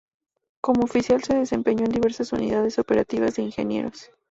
Como oficial se desempeñó en diversas unidades operativas de Ingenieros.